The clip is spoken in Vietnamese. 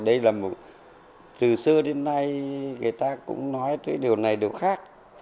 đây là một từ xưa đến nay người ta cũng nói cái điều này điều khác